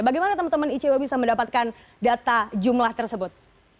bagaimana teman teman icw bisa mendapatkan data jumlah tersebut